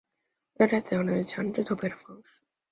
澳大利亚采用的是强制投票的方式。